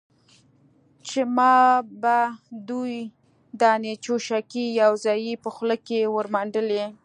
چې ما به دوې دانې چوشکې يوځايي په خوله کښې ورمنډلې.